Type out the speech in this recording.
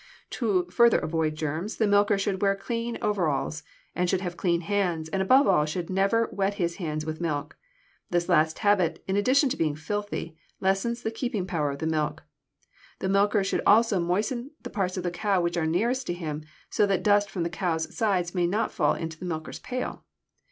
To further avoid germs the milker should wear clean overalls, should have clean hands, and, above all, should never wet his hands with milk. This last habit, in addition to being filthy, lessens the keeping power of the milk. The milker should also moisten the parts of the cow which are nearest him, so that dust from the cow's sides may not fall into the milker's pail.